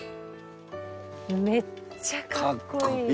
めっちゃかっこいい！